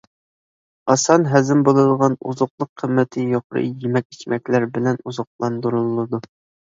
ئاسان ھەزىم بولىدىغان، ئوزۇقلۇق قىممىتى يۇقىرى يېمەك-ئىچمەكلەر بىلەن ئوزۇقلاندۇرۇلىدۇ.